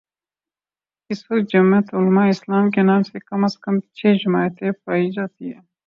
اس وقت جمعیت علمائے اسلام کے نام سے کم از کم چھ جماعتیں پائی جا تی ہیں۔